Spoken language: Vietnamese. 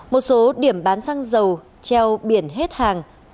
một số điểm bán xăng dầu treo biển hết hàng